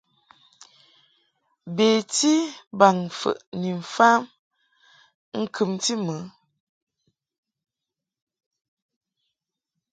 Beti baŋmfəʼ ni mfam ŋkɨmti mɨ.